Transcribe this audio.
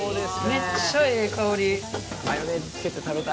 めっちゃええ香り。